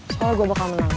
soalnya gua bakal menang main